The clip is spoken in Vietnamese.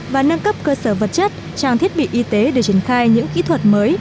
và nâng cấp cơ sở vật chất trang thiết bị y tế để triển khai những kỹ thuật mới